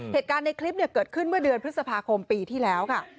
เหตุการณ์ในคลิปเกิดขึ้นเมื่อเดือนพฤษภาคมปีที่แล้วค่ะ